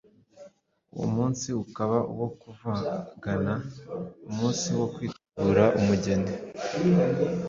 Uwo munsi ukaba uwo kuvugana umunsi wo kwitegura umugeni.